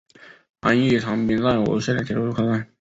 安艺长滨站吴线的铁路车站。